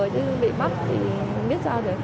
chứ bị bắt thì biết sao rồi